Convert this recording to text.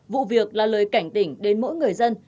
vụ việc là lời cảnh tỉnh đến mỗi người dân